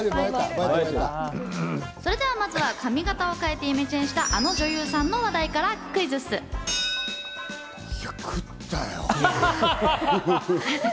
それではまずは髪型を変えてイメチェンした、あの女優さんの話題からクイズッス！